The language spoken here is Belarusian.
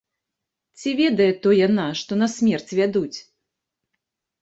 Ці ведае то яна, што на смерць вядуць?